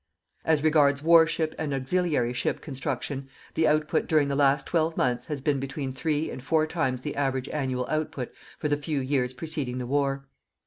As regards warship and auxiliary ship construction, the output during the last 12 months has been between three and four times the average annual output for the few years preceding the war.